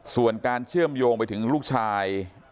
ส่วนการเชื่อมโยงไปถึงลูกชาย